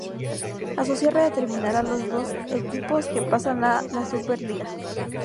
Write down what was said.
A su cierre determinará los dos equipos que pasan a jugar la Súper Liga.